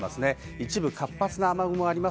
一部、活発な雨雲があります。